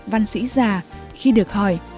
văn sĩ già khi được hỏi